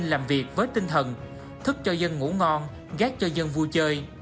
làm việc với tinh thần thức cho dân ngủ ngon gác cho dân vui chơi